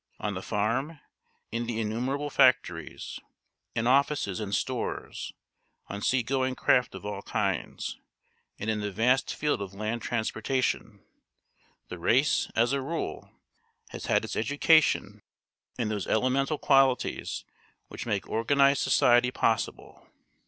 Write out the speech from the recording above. On the farm, in the innumerable factories, in offices and stores, on sea going craft of all kinds, and in the vast field of land transportation, the race, as a rule, has had its education in those elemental qualities which make organised society possible.